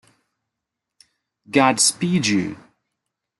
God Speed You!